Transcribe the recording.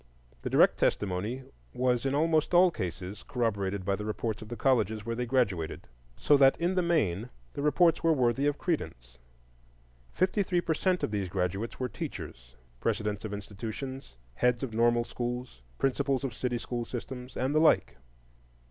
The direct testimony was in almost all cases corroborated by the reports of the colleges where they graduated, so that in the main the reports were worthy of credence. Fifty three per cent of these graduates were teachers,—presidents of institutions, heads of normal schools, principals of city school systems, and the like.